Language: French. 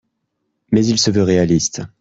Mais il se veut réaliste.